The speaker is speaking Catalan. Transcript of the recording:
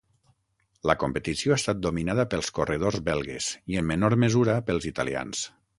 La competició ha estat dominada pels corredors belgues i en menor mesura pels italians.